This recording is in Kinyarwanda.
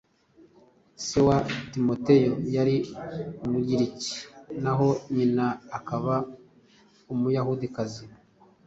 Se wa Timoteyo yari umugiriki naho nyina akaba umuyahudikazi.